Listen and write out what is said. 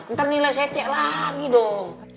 ntar nilai secek lagi dong